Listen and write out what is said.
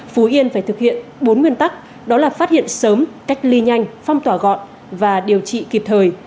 phú yên phải thực hiện bốn nguyên tắc đó là phát hiện sớm cách ly nhanh phong tỏa gọn và điều trị kịp thời